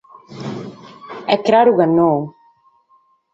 Est craru chi nono.